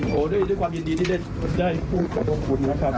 โดยด้วยด้วยความยินดีที่ได้ได้พูดขอบคุณนะครับครับ